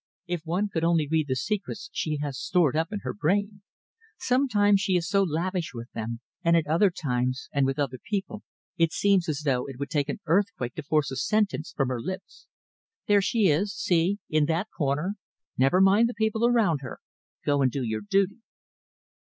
If one could only read the secrets she has stored up in her brain! Sometimes she is so lavish with them, and at other times, and with other people, it seems as though it would take an earthquake to force a sentence from her lips. There she is, see, in that corner. Never mind the people around her. Go and do your duty."